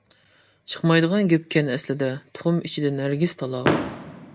چىقمايدىغان گەپكەن ئەسلىدە، تۇخۇم ئىچىدىن ھەرگىز تالاغا.